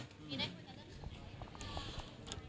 มีใครคุยนะเมื่อทำการไปเลย